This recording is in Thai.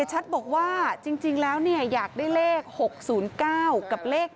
เสจชัดบอกว่าจริงแล้วเนี้ยอยากได้เลข๖๐๙กับเลข๑๒